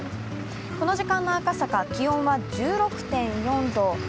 この時間の赤坂、気温は１６．４度。